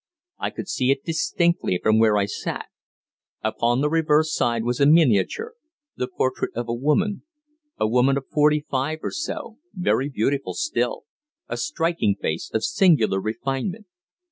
I could see it distinctly from where I sat. Upon the reverse side was a miniature the portrait of a woman a woman of forty five or so, very beautiful still, a striking face of singular refinement.